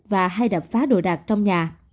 và hay đập phá đồ đạc trong nhà